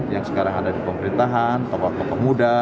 yang sekarang ada di pemerintahan tokoh tokoh muda